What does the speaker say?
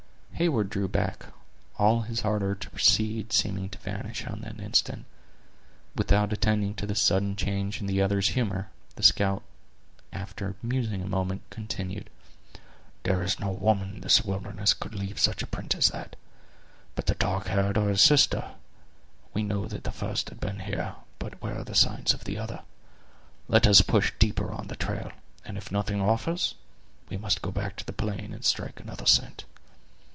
Heyward drew back, all his ardor to proceed seeming to vanish on the instant. Without attending to this sudden change in the other's humor, the scout after musing a moment continued: "There is no woman in this wilderness could leave such a print as that, but the dark hair or her sister. We know that the first has been here, but where are the signs of the other? Let us push deeper on the trail, and if nothing offers, we must go back to the plain and strike another scent.